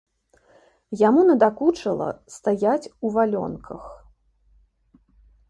Яму надакучыла стаяць у валёнках.